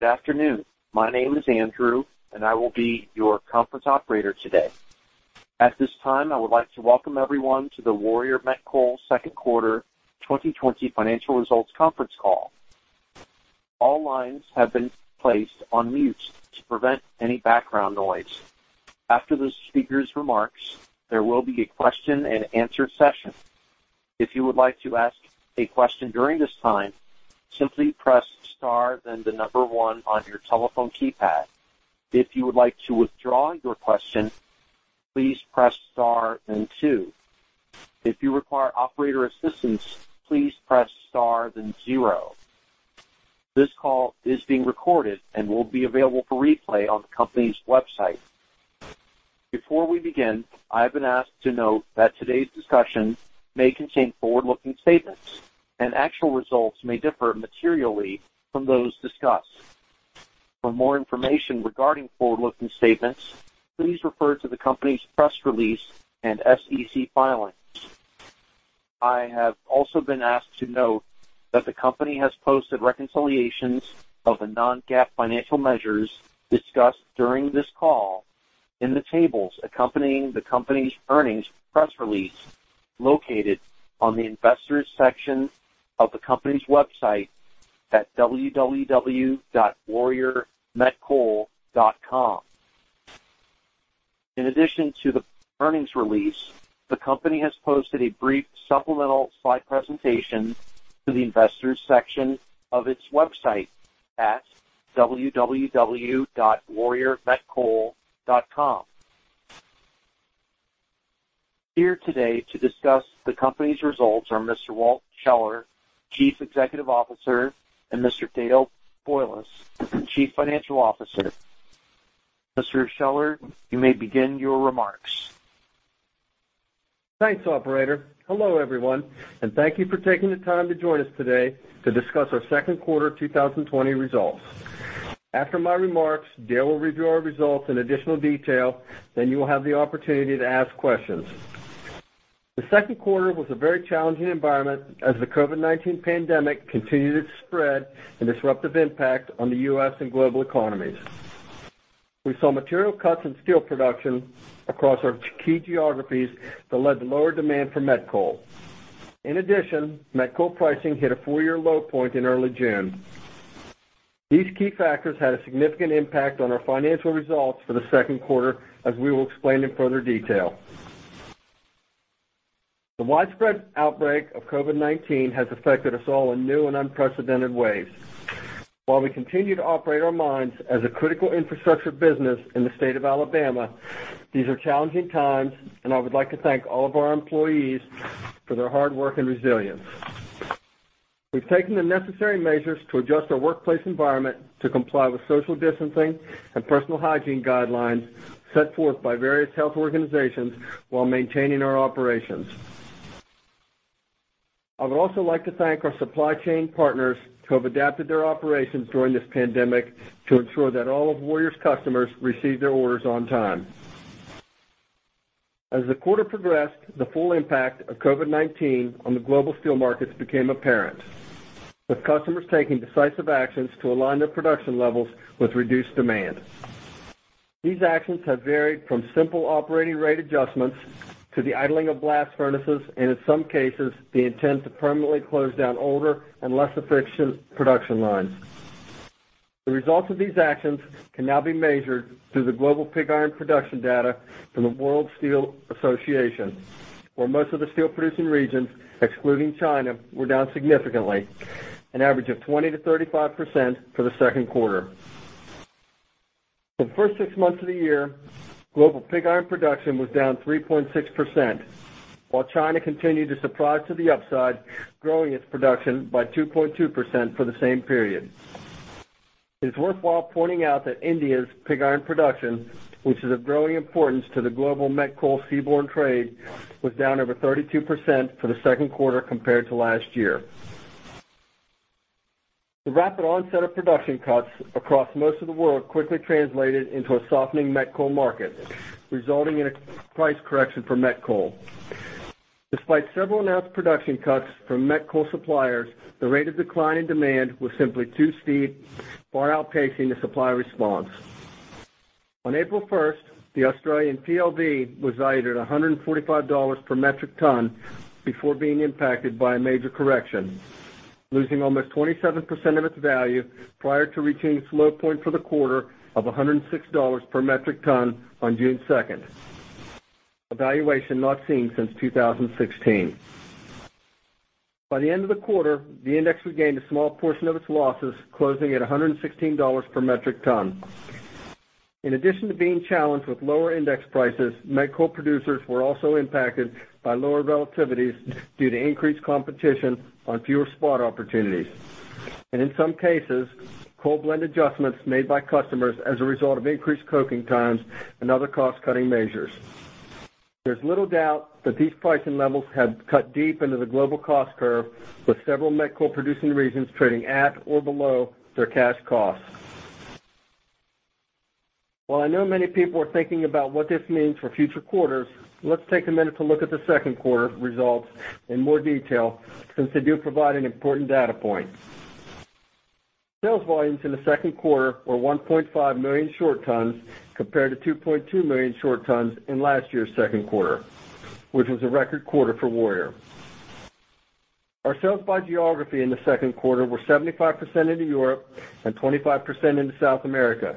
Good afternoon. My name is Andrew, and I will be your conference operator today. At this time, I would like to welcome everyone to the Warrior Met Coal second quarter 2020 financial results conference call. All lines have been placed on mute to prevent any background noise. After the speaker's remarks, there will be a question-and-answer session. If you would like to ask a question during this time, simply press star then the number one on your telephone keypad. If you would like to withdraw your question, please press star then two. If you require operator assistance, please press star then zero. This call is being recorded and will be available for replay on the company's website. Before we begin, I have been asked to note that today's discussion may contain forward-looking statements, and actual results may differ materially from those discussed. For more information regarding forward-looking statements, please refer to the company's press release and SEC filings. I have also been asked to note that the company has posted reconciliations of the non-GAAP financial measures discussed during this call in the tables accompanying the company's earnings press release located on the investors' section of the company's website at www.warriormetcoal.com. In addition to the earnings release, the company has posted a brief supplemental slide presentation to the investors' section of its website at www.warriormetcoal.com. Here today to discuss the company's results are Mr. Walt Scheller, Chief Executive Officer, and Mr. Dale Boyles, Chief Financial Officer. Mr. Scheller, you may begin your remarks. Thanks, Operator. Hello everyone, and thank you for taking the time to join us today to discuss our second quarter 2020 results. After my remarks, Dale will review our results in additional detail, then you will have the opportunity to ask questions. The second quarter was a very challenging environment as the COVID-19 pandemic continued its spread and disruptive impact on the U.S. and global economies. We saw material cuts in steel production across our key geographies that led to lower demand for Met Coal. In addition, Met Coal pricing hit a four-year low point in early June. These key factors had a significant impact on our financial results for the second quarter, as we will explain in further detail. The widespread outbreak of COVID-19 has affected us all in new and unprecedented ways. While we continue to operate our mines as a critical infrastructure business in the state of Alabama, these are challenging times, and I would like to thank all of our employees for their hard work and resilience. We've taken the necessary measures to adjust our workplace environment to comply with social distancing and personal hygiene guidelines set forth by various health organizations while maintaining our operations. I would also like to thank our supply chain partners who have adapted their operations during this pandemic to ensure that all of Warrior's customers receive their orders on time. As the quarter progressed, the full impact of COVID-19 on the global steel markets became apparent, with customers taking decisive actions to align their production levels with reduced demand. These actions have varied from simple operating rate adjustments to the idling of blast furnaces, and in some cases, the intent to permanently close down older and less efficient production lines. The results of these actions can now be measured through the global pig iron production data from the World Steel Association, where most of the steel-producing regions, excluding China, were down significantly, an average of 20%-35% for the second quarter. For the first six months of the year, global pig iron production was down 3.6%, while China continued to surprise to the upside, growing its production by 2.2% for the same period. It's worthwhile pointing out that India's pig iron production, which is of growing importance to the global Met Coal seaborne trade, was down over 32% for the second quarter compared to last year. The rapid onset of production cuts across most of the world quickly translated into a softening Met Coal market, resulting in a price correction for Met Coal. Despite several announced production cuts from Met Coal suppliers, the rate of decline in demand was simply too steep, far outpacing the supply response. On April 1, the Australian PLV was valued at $145 per metric ton before being impacted by a major correction, losing almost 27% of its value prior to reaching its low point for the quarter of $106 per metric ton on June 2, a valuation not seen since 2016. By the end of the quarter, the index regained a small portion of its losses, closing at $116 per metric ton. In addition to being challenged with lower index prices, Met Coal producers were also impacted by lower relativities due to increased competition on fewer spot opportunities, and in some cases, coal blend adjustments made by customers as a result of increased coking times and other cost-cutting measures. There's little doubt that these pricing levels have cut deep into the global cost curve, with several Met Coal producing regions trading at or below their cash costs. While I know many people are thinking about what this means for future quarters, let's take a minute to look at the second quarter results in more detail since they do provide an important data point. Sales volumes in the second quarter were 1.5 million short tons compared to 2.2 million short tons in last year's second quarter, which was a record quarter for Warrior. Our sales by geography in the second quarter were 75% in Europe and 25% in South America.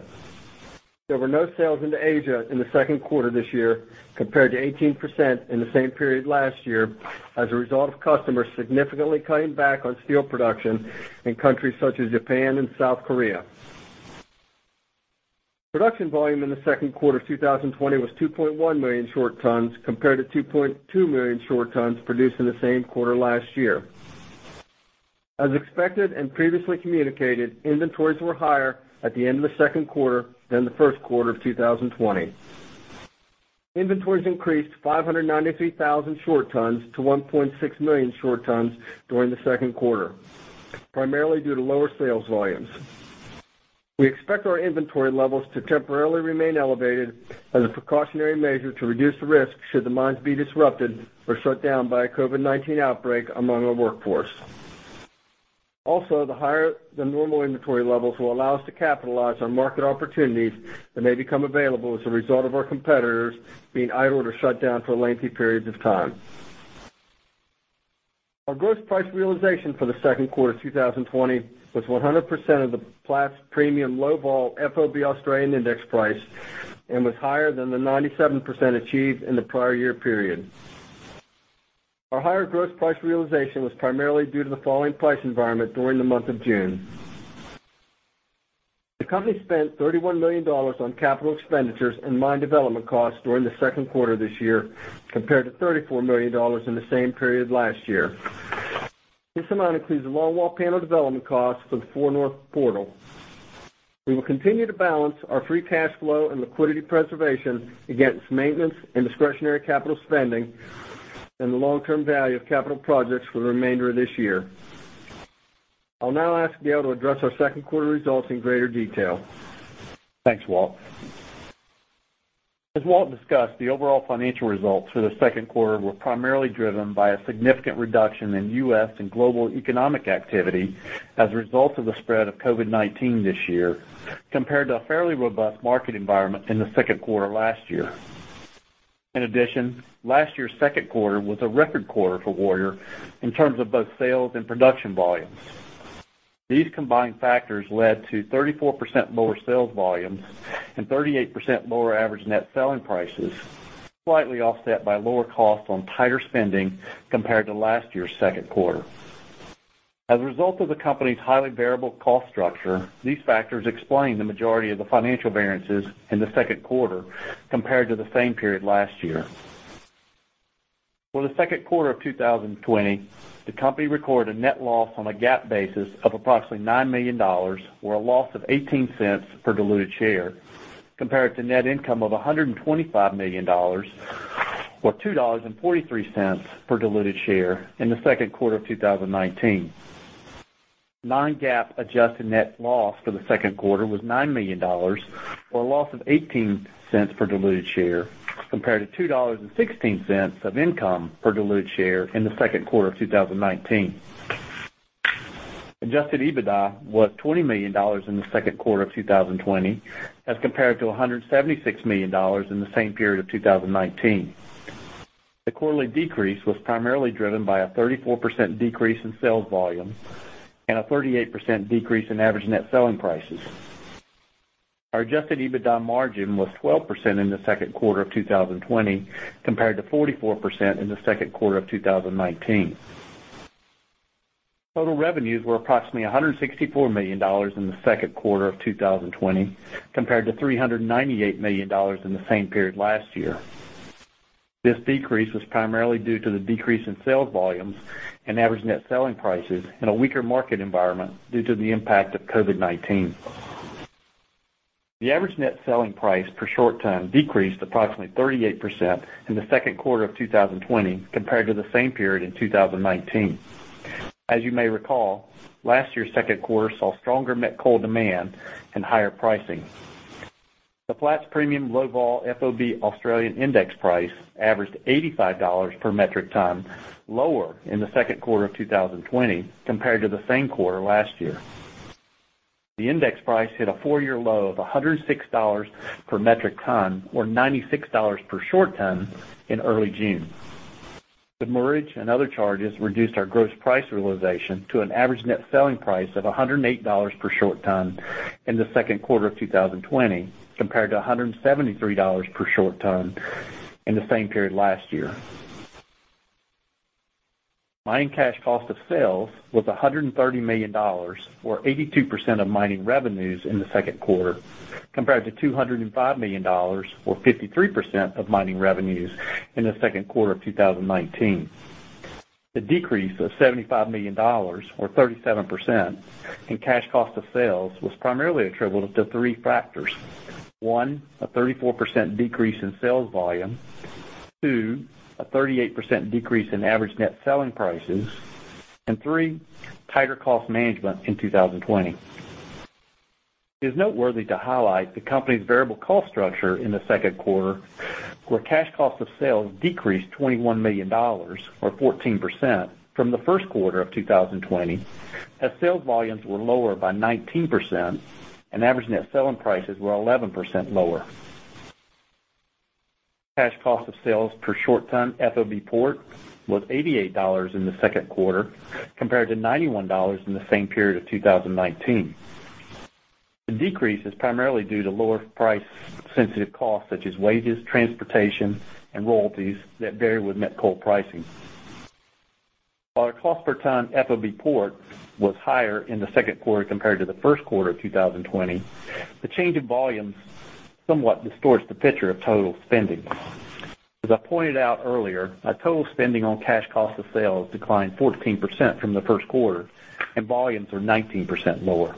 There were no sales into Asia in the second quarter this year compared to 18% in the same period last year as a result of customers significantly cutting back on steel production in countries such as Japan and South Korea. Production volume in the second quarter of 2020 was 2.1 million short tons compared to 2.2 million short tons produced in the same quarter last year. As expected and previously communicated, inventories were higher at the end of the second quarter than the first quarter of 2020. Inventories increased 593,000 short tons to 1.6 million short tons during the second quarter, primarily due to lower sales volumes. We expect our inventory levels to temporarily remain elevated as a precautionary measure to reduce the risk should the mines be disrupted or shut down by a COVID-19 outbreak among our workforce. Also, the higher than normal inventory levels will allow us to capitalize on market opportunities that may become available as a result of our competitors being idled or shut down for lengthy periods of time. Our gross price realization for the second quarter of 2020 was 100% of the Platts Premium Low Vol FOB Australian index price and was higher than the 97% achieved in the prior year period. Our higher gross price realization was primarily due to the falling price environment during the month of June. The company spent $31 million on capital expenditures and mine development costs during the second quarter of this year compared to $34 million in the same period last year. This amount includes the longwall panel development costs for the 4 North Portal. We will continue to balance our free cash flow and liquidity preservation against maintenance and discretionary capital spending and the long-term value of capital projects for the remainder of this year. I'll now ask Dale to address our second quarter results in greater detail. Thanks, Walt. As Walt discussed, the overall financial results for the second quarter were primarily driven by a significant reduction in U.S. and global economic activity as a result of the spread of COVID-19 this year compared to a fairly robust market environment in the second quarter last year. In addition, last year's second quarter was a record quarter for Warrior in terms of both sales and production volumes. These combined factors led to 34% lower sales volumes and 38% lower average net selling prices, slightly offset by lower costs on tighter spending compared to last year's second quarter. As a result of the company's highly variable cost structure, these factors explain the majority of the financial variances in the second quarter compared to the same period last year. For the second quarter of 2020, the company recorded a net loss on a GAAP basis of approximately $9 million, or a loss of $0.18 per diluted share, compared to net income of $125 million, or $2.43 per diluted share in the second quarter of 2019. Non-GAAP adjusted net loss for the second quarter was $9 million, or a loss of $0.18 per diluted share, compared to $2.16 of income per diluted share in the second quarter of 2019. Adjusted EBITDA was $20 million in the second quarter of 2020 as compared to $176 million in the same period of 2019. The quarterly decrease was primarily driven by a 34% decrease in sales volume and a 38% decrease in average net selling prices. Our adjusted EBITDA margin was 12% in the second quarter of 2020 compared to 44% in the second quarter of 2019. Total revenues were approximately $164 million in the second quarter of 2020 compared to $398 million in the same period last year. This decrease was primarily due to the decrease in sales volumes and average net selling prices in a weaker market environment due to the impact of COVID-19. The average net selling price per short ton decreased approximately 38% in the second quarter of 2020 compared to the same period in 2019. As you may recall, last year's second quarter saw stronger met coal demand and higher pricing. The Platts Premium Low Vol FOB Australian index price averaged $85 per metric ton, lower in the second quarter of 2020 compared to the same quarter last year. The index price hit a four-year low of $106 per metric ton, or $96 per short ton, in early June. The mortgage and other charges reduced our gross price realization to an average net selling price of $108 per short ton in the second quarter of 2020 compared to $173 per short ton in the same period last year. Mining cash cost of sales was $130 million, or 82% of mining revenues in the second quarter, compared to $205 million, or 53% of mining revenues in the second quarter of 2019. The decrease of $75 million, or 37%, in cash cost of sales was primarily attributable to three factors: one, a 34% decrease in sales volume; two, a 38% decrease in average net selling prices; and three, tighter cost management in 2020. It is noteworthy to highlight the company's variable cost structure in the second quarter, where cash cost of sales decreased $21 million, or 14%, from the first quarter of 2020 as sales volumes were lower by 19% and average net selling prices were 11% lower. Cash cost of sales per short ton FOB port was $88 in the second quarter compared to $91 in the same period of 2019. The decrease is primarily due to lower price-sensitive costs such as wages, transportation, and royalties that vary with Met Coal pricing. While our cost per ton FOB port was higher in the second quarter compared to the first quarter of 2020, the change in volumes somewhat distorts the picture of total spending. As I pointed out earlier, our total spending on cash cost of sales declined 14% from the first quarter, and volumes were 19% lower.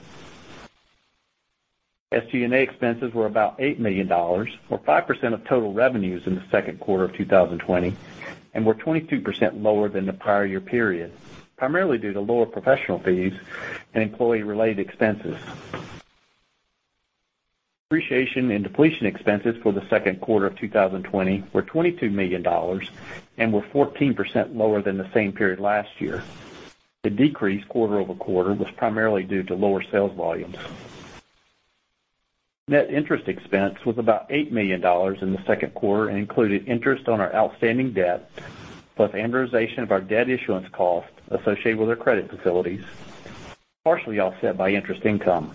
SG&A expenses were about $8 million, or 5% of total revenues in the second quarter of 2020, and were 22% lower than the prior year period, primarily due to lower professional fees and employee-related expenses. Depreciation and depletion expenses for the second quarter of 2020 were $22 million and were 14% lower than the same period last year. The decrease quarter-over- quarter was primarily due to lower sales volumes. Net interest expense was about $8 million in the second quarter and included interest on our outstanding debt, plus amortization of our debt issuance cost associated with our credit facilities, partially offset by interest income.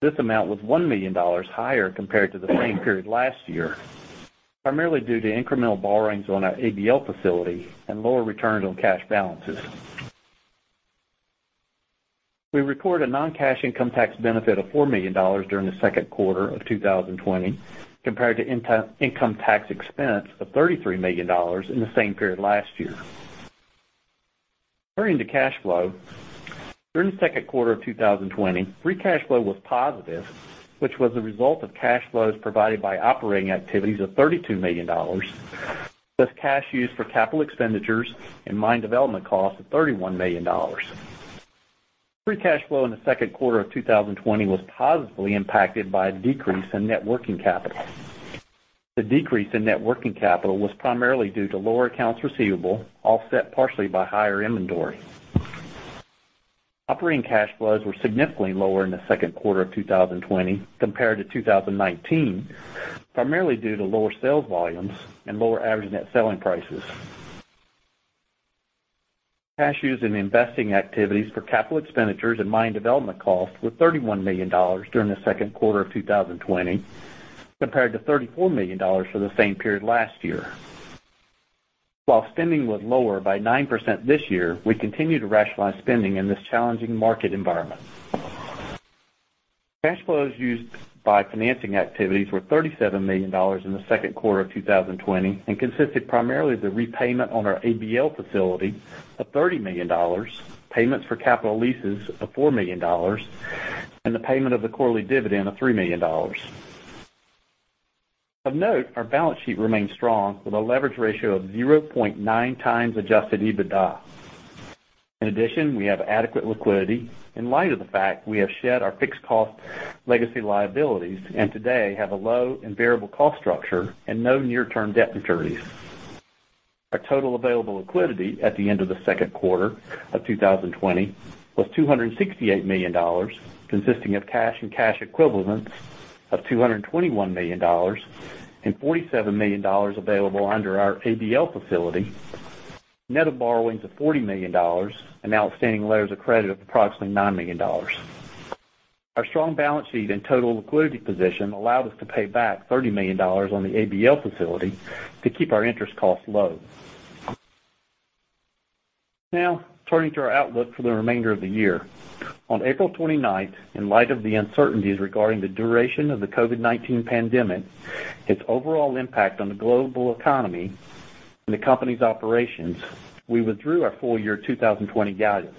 This amount was $1 million higher compared to the same period last year, primarily due to incremental borrowings on our ABL facility and lower returns on cash balances. We recorded a non-cash income tax benefit of $4 million during the second quarter of 2020 compared to income tax expense of $33 million in the same period last year. Turning to cash flow, during the second quarter of 2020, free cash flow was positive, which was the result of cash flows provided by operating activities of $32 million, plus cash used for capital expenditures and mine development costs of $31 million. Free cash flow in the second quarter of 2020 was positively impacted by a decrease in net working capital. The decrease in net working capital was primarily due to lower accounts receivable, offset partially by higher inventory. Operating cash flows were significantly lower in the second quarter of 2020 compared to 2019, primarily due to lower sales volumes and lower average net selling prices. Cash used in investing activities for capital expenditures and mine development costs was $31 million during the second quarter of 2020 compared to $34 million for the same period last year. While spending was lower by 9% this year, we continue to rationalize spending in this challenging market environment. Cash flows used by financing activities were $37 million in the second quarter of 2020 and consisted primarily of the repayment on our ABL facility of $30 million, payments for capital leases of $4 million, and the payment of the quarterly dividend of $3 million. Of note, our balance sheet remained strong with a leverage ratio of 0.9 times adjusted EBITDA. In addition, we have adequate liquidity in light of the fact we have shed our fixed cost legacy liabilities and today have a low and variable cost structure and no near-term debt maturities. Our total available liquidity at the end of the second quarter of 2020 was $268 million, consisting of cash and cash equivalents of $221 million and $47 million available under our ABL facility, net of borrowings of $40 million and outstanding letters of credit of approximately $9 million. Our strong balance sheet and total liquidity position allowed us to pay back $30 million on the ABL facility to keep our interest costs low. Now, turning to our outlook for the remainder of the year. On April 29, in light of the uncertainties regarding the duration of the COVID-19 pandemic and its overall impact on the global economy and the company's operations, we withdrew our full year 2020 guidance.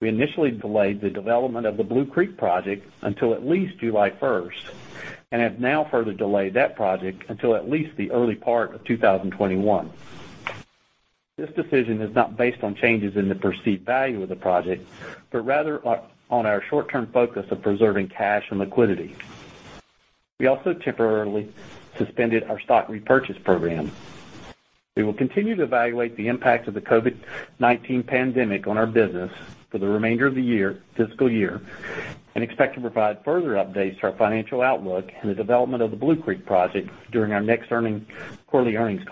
We initially delayed the development of the Blue Creek project until at least July 1 and have now further delayed that project until at least the early part of 2021. This decision is not based on changes in the perceived value of the project, but rather on our short-term focus of preserving cash and liquidity. We also temporarily suspended our stock repurchase program. We will continue to evaluate the impact of the COVID-19 pandemic on our business for the remainder of the fiscal year and expect to provide further updates to our financial outlook and the development of the Blue Creek project during our next quarterly earnings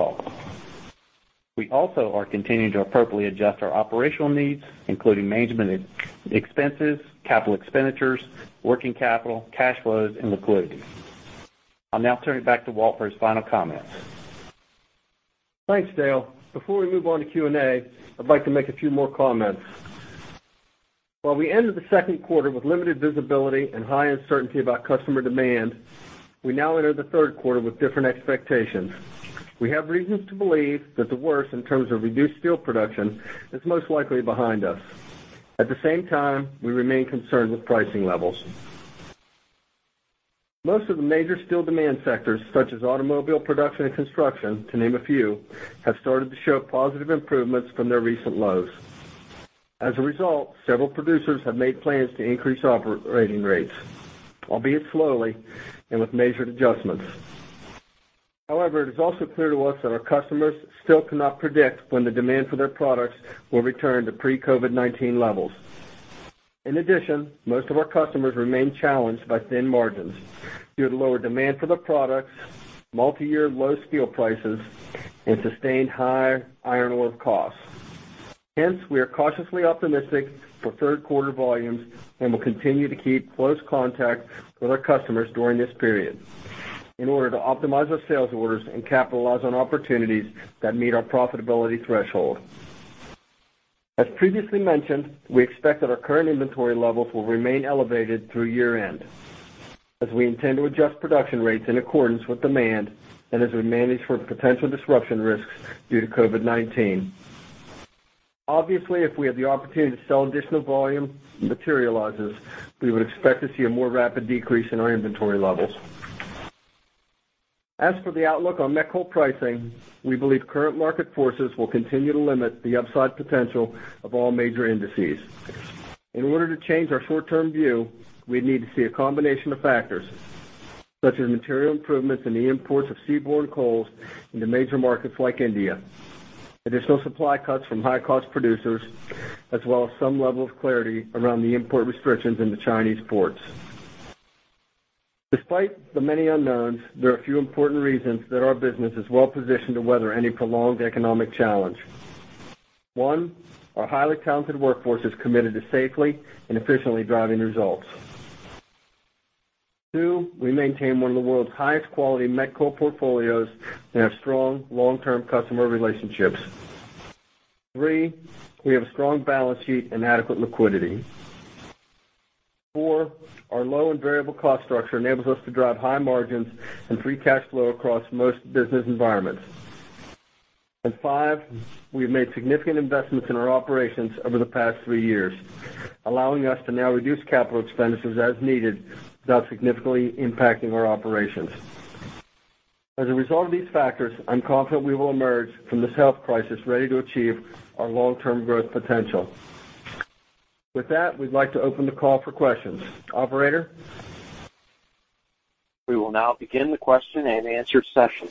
call. We also are continuing to appropriately adjust our operational needs, including management expenses, capital expenditures, working capital, cash flows, and liquidity. I'll now turn it back to Walt for his final comments. Thanks, Dale. Before we move on to Q&A, I'd like to make a few more comments. While we ended the second quarter with limited visibility and high uncertainty about customer demand, we now enter the third quarter with different expectations. We have reasons to believe that the worst in terms of reduced steel production is most likely behind us. At the same time, we remain concerned with pricing levels. Most of the major steel demand sectors, such as automobile production and construction, to name a few, have started to show positive improvements from their recent lows. As a result, several producers have made plans to increase operating rates, albeit slowly and with measured adjustments. However, it is also clear to us that our customers still cannot predict when the demand for their products will return to pre-COVID-19 levels. In addition, most of our customers remain challenged by thin margins due to lower demand for their products, multi-year low steel prices, and sustained high iron ore costs. Hence, we are cautiously optimistic for third quarter volumes and will continue to keep close contact with our customers during this period in order to optimize our sales orders and capitalize on opportunities that meet our profitability threshold. As previously mentioned, we expect that our current inventory levels will remain elevated through year-end, as we intend to adjust production rates in accordance with demand and as we manage for potential disruption risks due to COVID-19. Obviously, if we have the opportunity to sell additional volume materializes, we would expect to see a more rapid decrease in our inventory levels. As for the outlook on Met Coal pricing, we believe current market forces will continue to limit the upside potential of all major indices. In order to change our short-term view, we need to see a combination of factors such as material improvements in the imports of seaborne coals into major markets like India, additional supply cuts from high-cost producers, as well as some level of clarity around the import restrictions in the Chinese ports. Despite the many unknowns, there are a few important reasons that our business is well-positioned to weather any prolonged economic challenge. One, our highly talented workforce is committed to safely and efficiently driving results. Two, we maintain one of the world's highest quality Met Coal portfolios and have strong long-term customer relationships. Three, we have a strong balance sheet and adequate liquidity. Four, our low and variable cost structure enables us to drive high margins and free cash flow across most business environments. Five, we have made significant investments in our operations over the past three years, allowing us to now reduce capital expenditures as needed without significantly impacting our operations. As a result of these factors, I'm confident we will emerge from this health crisis ready to achieve our long-term growth potential. With that, we'd like to open the call for questions. Operator. We will now begin the question and answer session.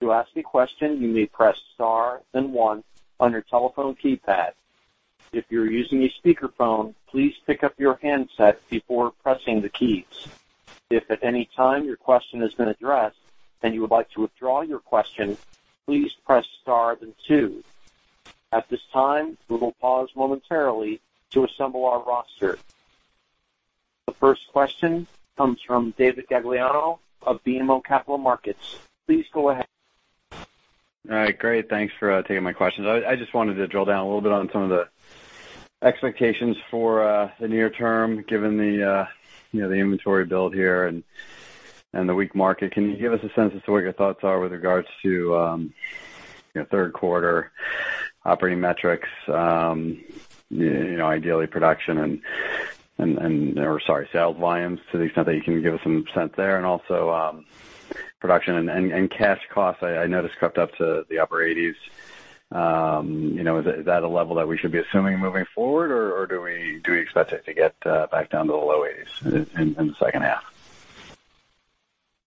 To ask a question, you may press star and one on your telephone keypad. If you're using a speakerphone, please pick up your handset before pressing the keys. If at any time your question has been addressed and you would like to withdraw your question, please press star and two. At this time, we will pause momentarily to assemble our roster. The first question comes from David Gagliano of BMO Capital Markets. Please go ahead. All right. Great. Thanks for taking my questions. I just wanted to drill down a little bit on some of the expectations for the near term given the inventory build here and the weak market. Can you give us a sense as to what your thoughts are with regards to third quarter operating metrics, ideally production, and—sorry—sales volumes to the extent that you can give us some sense there? Also, production and cash costs, I noticed crept up to the upper 80s. Is that a level that we should be assuming moving forward, or do we expect it to get back down to the low 80s in the second half?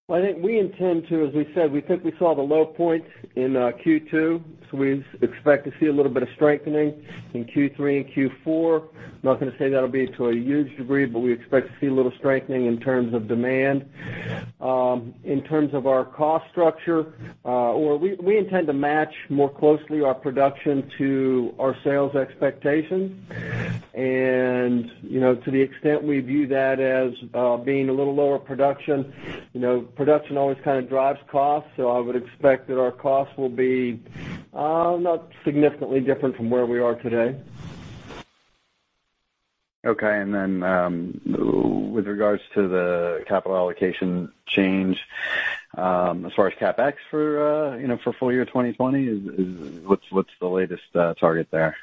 I think we intend to, as we said, we think we saw the low point in Q2, so we expect to see a little bit of strengthening in Q3 and Q4. I'm not going to say that'll be to a huge degree, but we expect to see a little strengthening in terms of demand. In terms of our cost structure, we intend to match more closely our production to our sales expectations. To the extent we view that as being a little lower production, production always kind of drives costs, so I would expect that our costs will be not significantly different from where we are today. Okay. With regards to the capital allocation change, as far as CapEx for full year 2020, what's the latest target there?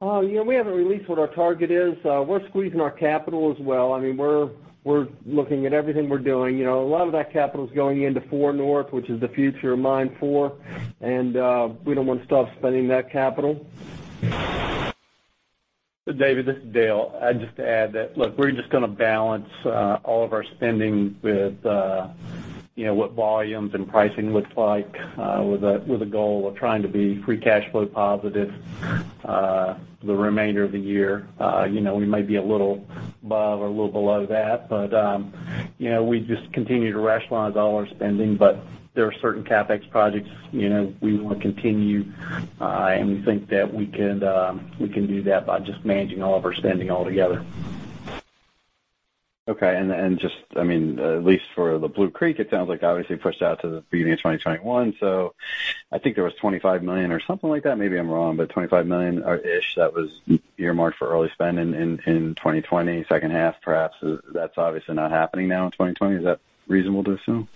Oh, yeah, we haven't released what our target is. We're squeezing our capital as well. I mean, we're looking at everything we're doing. A lot of that capital is going into 4 North, which is the future of Mine 4, and we don't want to stop spending that capital. David, this is Dale. I'd just add that, look, we're just going to balance all of our spending with what volumes and pricing look like with a goal of trying to be free cash flow positive the remainder of the year. We may be a little above or a little below that, but we just continue to rationalize all our spending. There are certain CapEx projects we want to continue, and we think that we can do that by just managing all of our spending altogether. Okay. I mean, at least for the Blue Creek, it sounds like obviously pushed out to the beginning of 2021. I think there was $25 million or something like that. Maybe I'm wrong, but $25 million-ish that was earmarked for early spending in 2020, second half, perhaps. That's obviously not happening now in 2020. Is that reasonable to assume?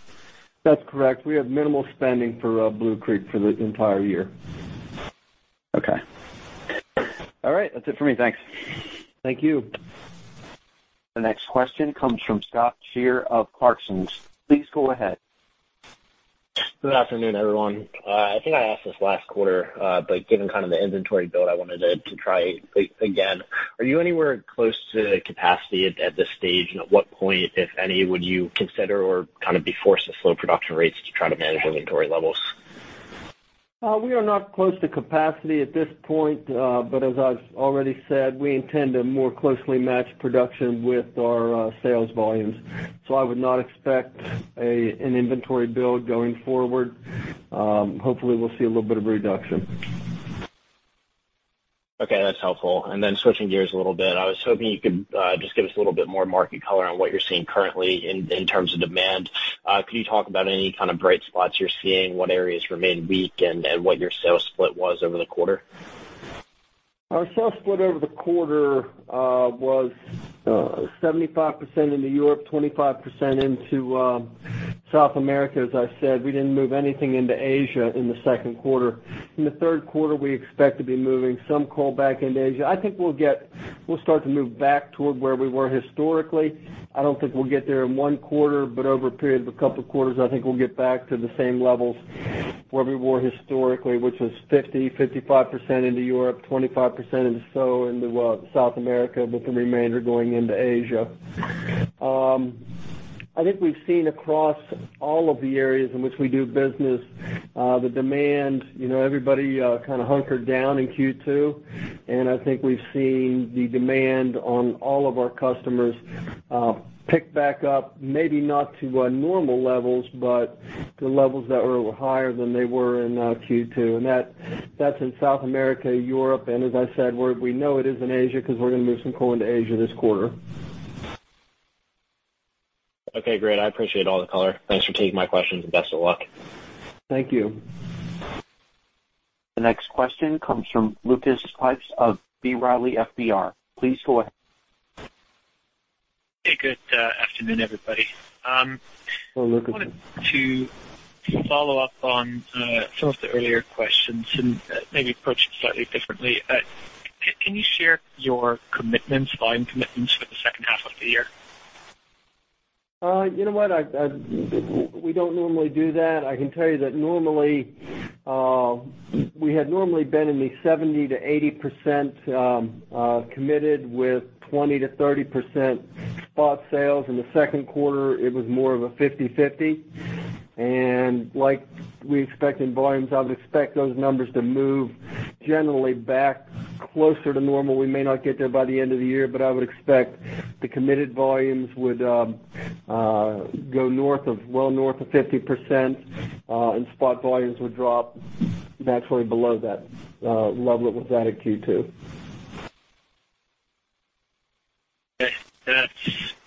That's correct. We have minimal spending for Blue Creek for the entire year. Okay. All right. That's it for me. Thanks. Thank you. The next question comes from Scott Shear of Clarksons. Please go ahead. Good afternoon, everyone. I think I asked this last quarter, but given kind of the inventory build, I wanted to try again. Are you anywhere close to capacity at this stage? At what point, if any, would you consider or kind of be forced to slow production rates to try to manage inventory levels? We are not close to capacity at this point, but as I have already said, we intend to more closely match production with our sales volumes. I would not expect an inventory build going forward. Hopefully, we will see a little bit of a reduction. Okay. That is helpful. Switching gears a little bit, I was hoping you could just give us a little bit more market color on what you are seeing currently in terms of demand. Could you talk about any kind of bright spots you're seeing, what areas remain weak, and what your sales split was over the quarter? Our sales split over the quarter was 75% into Europe, 25% into South America, as I said. We didn't move anything into Asia in the second quarter. In the third quarter, we expect to be moving some callback into Asia. I think we'll start to move back toward where we were historically. I don't think we'll get there in one quarter, but over a period of a couple of quarters, I think we'll get back to the same levels where we were historically, which was 50%-55% into Europe, 25% into South America, with the remainder going into Asia. I think we've seen across all of the areas in which we do business, the demand, everybody kind of hunkered down in Q2, and I think we've seen the demand on all of our customers pick back up, maybe not to normal levels, but to levels that were higher than they were in Q2. That is in South America, Europe, and as I said, we know it is in Asia because we're going to move some coal into Asia this quarter. Okay. Great. I appreciate all the color. Thanks for taking my questions. Best of luck. Thank you. The next question comes from Lucas Pipes of B. Riley FBR. Please go ahead. Hey, good afternoon, everybody. Look, I wanted to follow up on some of the earlier questions and maybe approach it slightly differently. Can you share your commitments, volume commitments for the second half of the year? You know what? We do not normally do that. I can tell you that normally we had normally been in the 70%-80% committed with 20%-30% spot sales. In the second quarter, it was more of a 50/50. Like we expected volumes, I would expect those numbers to move generally back closer to normal. We may not get there by the end of the year, but I would expect the committed volumes would go well north of 50%, and spot volumes would drop naturally below that level that was at in Q2. Okay. That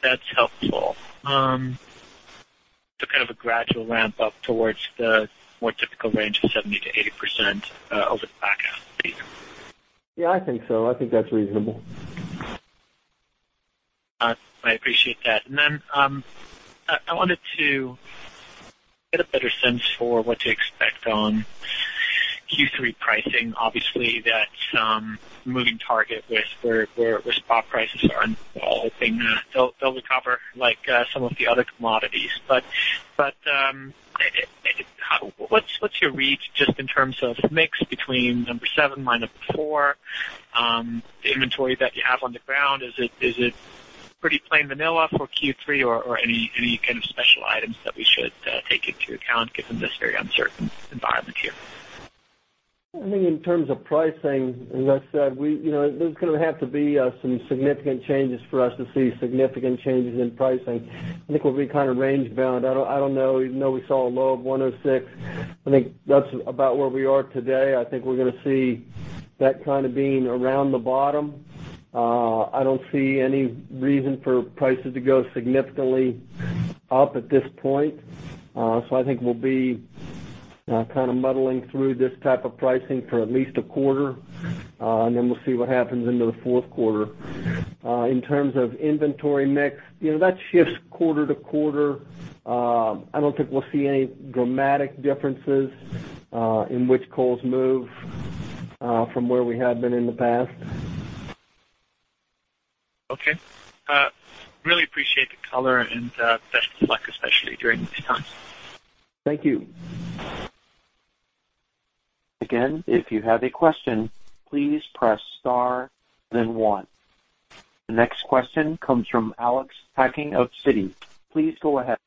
is helpful. Kind of a gradual ramp up towards the more typical range of 70%-80% over the back half of the year. Yeah, I think so. I think that is reasonable. I appreciate that. I wanted to get a better sense for what to expect on Q3 pricing. Obviously, that's a moving target with where spot prices are. I'm hoping they'll recover like some of the other commodities. What's your read just in terms of mix between number seven, minus four, the inventory that you have on the ground? Is it pretty plain vanilla for Q3, or any kind of special items that we should take into account given this very uncertain environment here? I think in terms of pricing, as I said, there's going to have to be some significant changes for us to see significant changes in pricing. I think we'll be kind of range-bound. I don't know. Even though we saw a low of $106, I think that's about where we are today. I think we're going to see that kind of being around the bottom. I don't see any reason for prices to go significantly up at this point. I think we'll be kind of muddling through this type of pricing for at least a quarter, and then we'll see what happens into the fourth quarter. In terms of inventory mix, that shifts quarter to quarter. I don't think we'll see any dramatic differences in which coals move from where we have been in the past. Okay. Really appreciate the color and best of luck, especially during these times. Thank you. Again, if you have a question, please press star and then one. The next question comes from Alex Hacking of Citi. Please go ahead.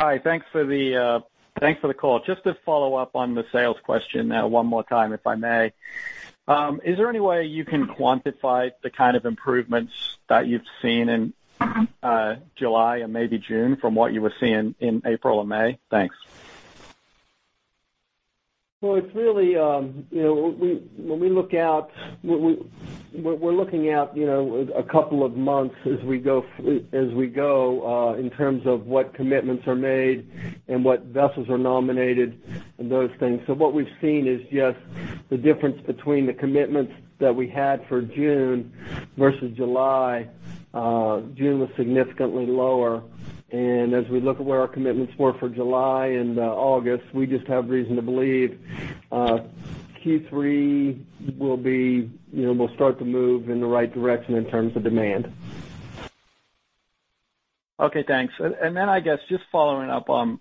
Hi. Thanks for the call. Just to follow up on the sales question one more time, if I may. Is there any way you can quantify the kind of improvements that you've seen in July and maybe June from what you were seeing in April and May? Thanks. It is really when we look out, we're looking out a couple of months as we go in terms of what commitments are made and what vessels are nominated and those things. What we've seen is just the difference between the commitments that we had for June versus July. June was significantly lower. As we look at where our commitments were for July and August, we just have reason to believe Q3 will start to move in the right direction in terms of demand. Okay. Thanks. I guess just following up on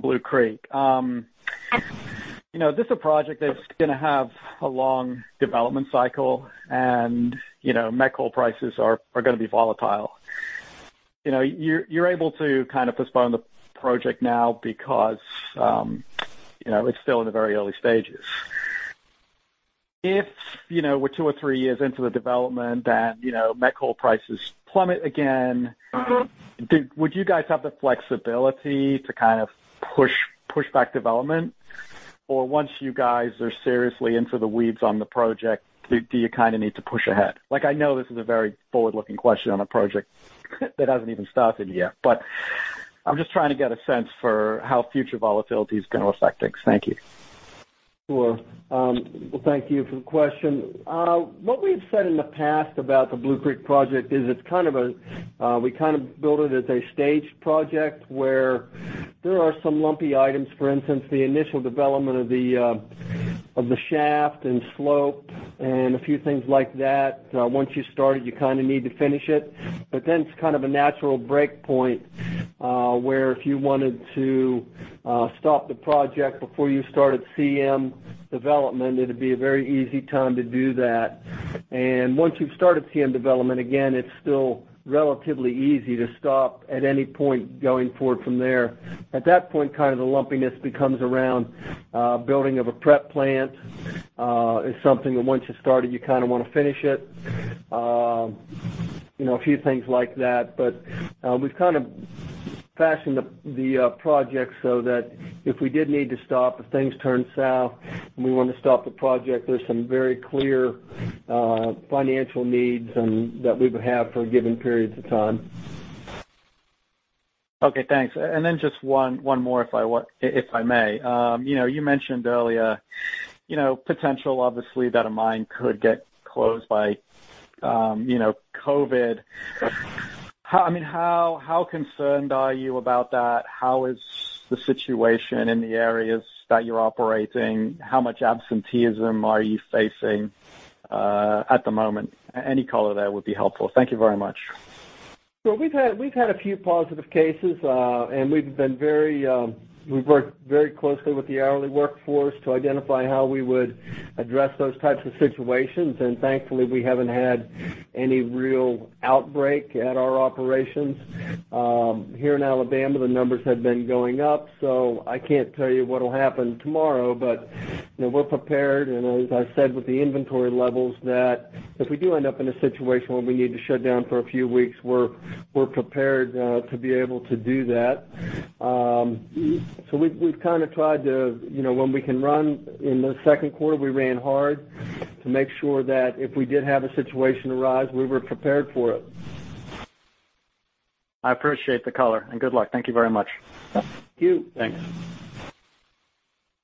Blue Creek, this is a project that's going to have a long development cycle, and met coal prices are going to be volatile. You're able to kind of postpone the project now because it's still in the very early stages. If we're two or three years into the development and met coal prices plummet again, would you guys have the flexibility to kind of push back development? Or once you guys are seriously into the weeds on the project, do you kind of need to push ahead? I know this is a very forward-looking question on a project that hasn't even started yet, but I'm just trying to get a sense for how future volatility is going to affect things. Thank you. Sure. Thank you for the question. What we've said in the past about the Blue Creek project is it's kind of a, we kind of built it as a staged project where there are some lumpy items. For instance, the initial development of the shaft and slope and a few things like that. Once you started, you kind of need to finish it. It is kind of a natural breakpoint where if you wanted to stop the project before you started CM development, it would be a very easy time to do that. Once you have started CM development, it is still relatively easy to stop at any point going forward from there. At that point, the lumpiness becomes around building of a prep plant, which is something that once you started, you kind of want to finish it, a few things like that. We have fashioned the project so that if we did need to stop, if things turn south and we want to stop the project, there are some very clear financial needs that we would have for given periods of time. Okay. Thanks. Just one more if I may. You mentioned earlier potential, obviously, that a mine could get closed by COVID. I mean, how concerned are you about that? How is the situation in the areas that you're operating? How much absenteeism are you facing at the moment? Any color there would be helpful. Thank you very much. We've had a few positive cases, and we've worked very closely with the hourly workforce to identify how we would address those types of situations. Thankfully, we haven't had any real outbreak at our operations. Here in Alabama, the numbers have been going up, so I can't tell you what will happen tomorrow. We're prepared. As I said, with the inventory levels, if we do end up in a situation where we need to shut down for a few weeks, we're prepared to be able to do that. We've kind of tried to, when we can run in the second quarter, we ran hard to make sure that if we did have a situation arise, we were prepared for it. I appreciate the color. And good luck. Thank you very much. Thank you. Thanks.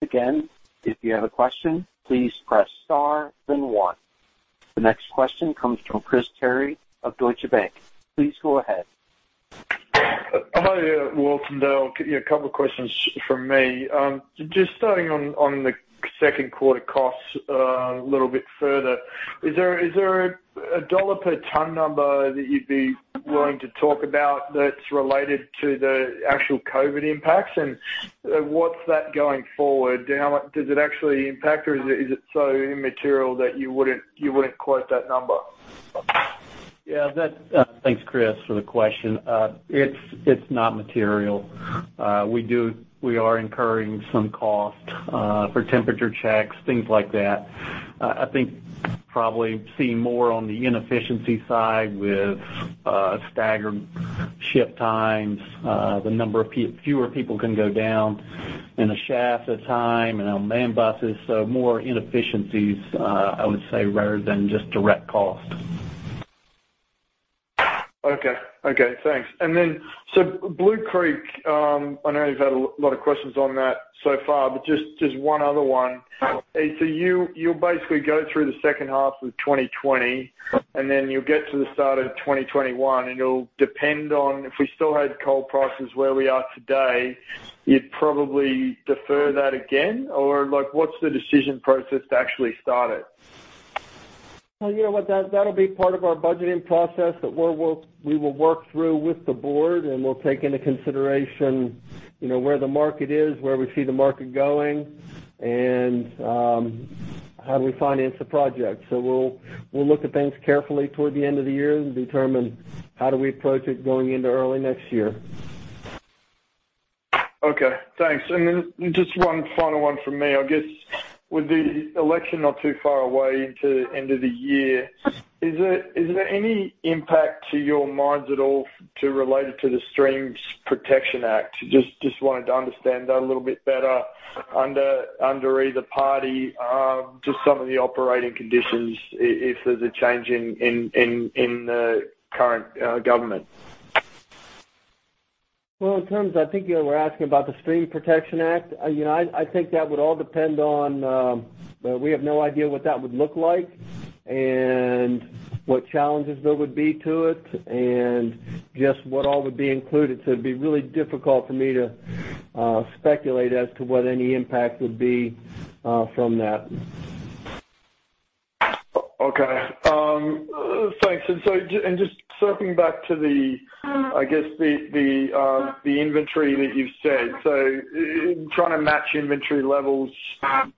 Again, if you have a question, please press star and then one. The next question comes from Chris Terry of Deutsche Bank. Please go ahead. Hi, Walter. A couple of questions from me. Just starting on the second quarter costs a little bit further, is there a dollar per ton number that you'd be willing to talk about that's related to the actual COVID impacts? What is that going forward? Does it actually impact, or is it so immaterial that you would not quote that number? Yeah. Thanks, Chris, for the question. It is not material. We are incurring some cost for temperature checks, things like that. I think probably seeing more on the inefficiency side with staggered shift times, the number of fewer people can go down in a shaft at a time and on main buses. More inefficiencies, I would say, rather than just direct cost. Okay. Okay. Thanks. Blue Creek, I know you have had a lot of questions on that so far, but just one other one. You will basically go through the second half of 2020, and then you will get to the start of 2021. It will depend on if we still had coal prices where we are today, you would probably defer that again? Or what's the decision process to actually start it? You know what? That'll be part of our budgeting process that we will work through with the board, and we'll take into consideration where the market is, where we see the market going, and how do we finance the project. We will look at things carefully toward the end of the year and determine how do we approach it going into early next year. Okay. Thanks. Just one final one from me. I guess with the election not too far away to the end of the year, is there any impact to your minds at all related to the Streams Protection Act? Just wanted to understand that a little bit better under either party, just some of the operating conditions if there's a change in the current government. In terms of I think you were asking about the Stream Protection Act, I think that would all depend on we have no idea what that would look like and what challenges there would be to it and just what all would be included. It would be really difficult for me to speculate as to what any impact would be from that. Okay. Thanks. Just circling back to, I guess, the inventory that you've said, trying to match inventory levels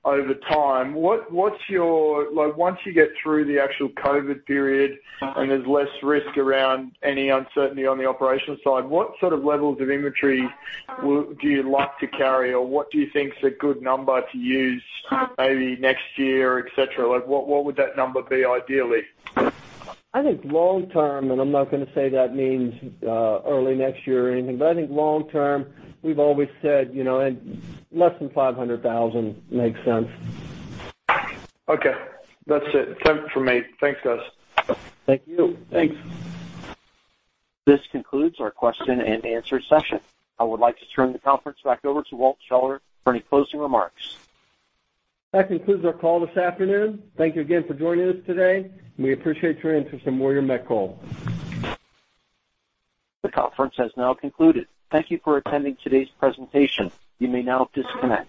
over time, once you get through the actual COVID period and there's less risk around any uncertainty on the operation side, what sort of levels of inventory do you like to carry, or what do you think is a good number to use maybe next year, etc.? What would that number be ideally? I think long-term, and I'm not going to say that means early next year or anything, but I think long-term, we've always said less than 500,000 makes sense. Okay. That's it from me. Thanks, guys. Thank you. Thanks. This concludes our question and answer session. I would like to turn the conference back over to Walt Scheller for any closing remarks. That concludes our call this afternoon. Thank you again for joining us today. We appreciate your interest in Warrior Met Coal. The conference has now concluded. Thank you for attending today's presentation. You may now disconnect.